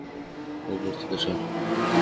উপর থেকে সর!